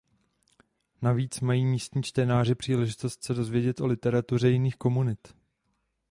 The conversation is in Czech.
Navíc mají místní čtenáři příležitost se dozvědět o literatuře jiných komunit.